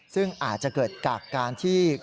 ซึ่งอาจจะเกิดจากการที่